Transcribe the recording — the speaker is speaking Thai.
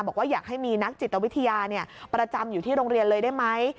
บอกว่าอยากให้มีนักจิตวิทยาประจำอยู่ที่โรงเรียนเลยได้ไหม